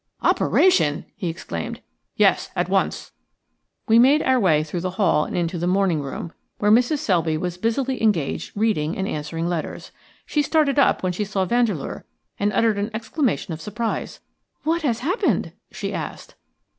"Operation!" he exclaimed. "Yes; at once." We made our way through the hall and into the morning room, where Mrs. Selby was busily engaged reading and answering letters. She started up when she saw Vandeleur and uttered an exclamation of surprise. "What has happened?" she asked.